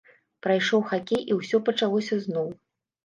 Прайшоў хакей, і ўсё пачалося зноў.